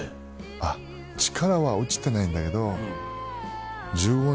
あっ力は落ちてないんだけど。